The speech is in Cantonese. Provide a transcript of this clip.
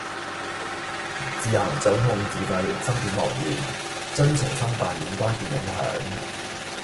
自行掌控自制芯片來源，將重新扮演關鍵影響。